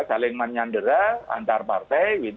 saling menyandera antar partai